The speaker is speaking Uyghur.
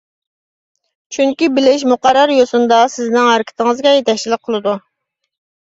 چۈنكى بىلىش مۇقەررەر يوسۇندا سىزنىڭ ھەرىكىتىڭىزگە يېتەكچىلىك قىلىدۇ.